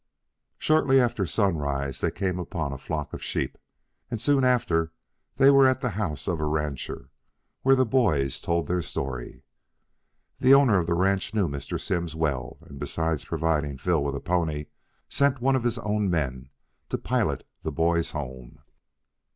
Shortly after sunrise they came upon a flock of sheep, and soon after they were at the house of a rancher, where the boys told their story. The owner of the ranch knew Mr. Simms well, and besides providing Phil with a pony, sent one of his own men to pilot the boys home.